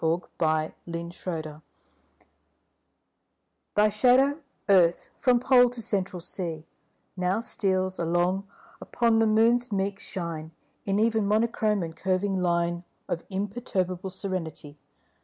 AT A LUNAR ECLIPSE THY shadow, Earth, from Pole to Central Sea, Now steals along upon the Moon's meek shine In even monochrome and curving line Of imperturbable serenity.